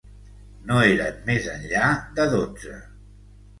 No eren més enllà de dotze.